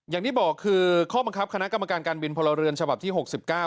อย่างที่บอกคือข้อบังคับคณะกรรมการการบินพลเรือนฉบับที่๖๙